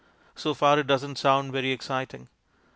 So far it doesn't sound very exciting.